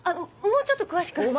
もうちょっと詳しく。